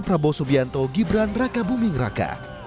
prabowo subianto gibran raka buming raka